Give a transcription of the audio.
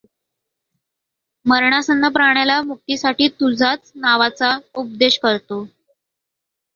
मरणासन्न प्राण्याला मुक्तीसाठी तुझ्याच नावाचा उपदेश करतो.